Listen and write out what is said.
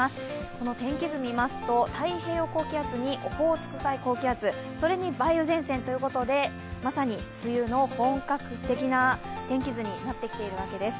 この天気図を見ますと、太平洋高気圧にオホーツク海高気圧それに梅雨前線ということでまさに梅雨の本格的な天気図になってきているわけです。